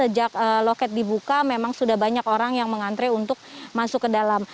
dan di sini juga sudah banyak orang yang mengantre untuk masuk ke dalam